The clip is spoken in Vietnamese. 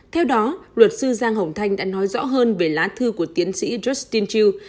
theo đó luật sư giang hồng thanh đã nói rõ hơn về lá thư của tiến sĩ justin tru